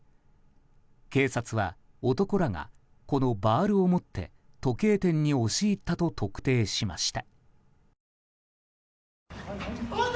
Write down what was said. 警察は男らがこのバールを持って時計店に押し入ったと特定しました。